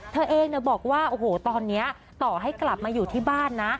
เธอเองบอกว่าโอ้โหตอนนี้ต่อให้กลับมาอยู่ที่บ้านนะ